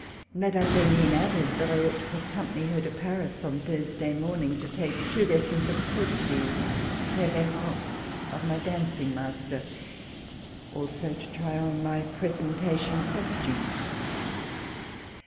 Mme. d'Henin added that I ought to accompany her to Paris on Thursday morning to take two lessons In courtesies {reverences) of my danc ing master; also to try on my presentation costume.